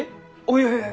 いやいや。